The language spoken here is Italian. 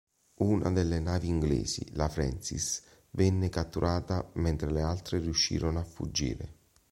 Una delle navi inglesi, la "Francis", venne catturata mentre le altre riuscirono a fuggire.